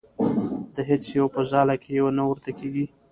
د هیڅ یو په ځاله کې یې نه ورته کېږدي.